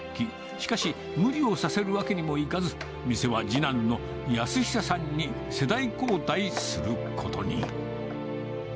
しかし、無理をさせるわけにもいかず、店は次男の安久さんに世代交代することに。